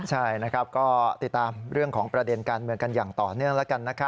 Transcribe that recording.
หลายคนรอไม่ไหว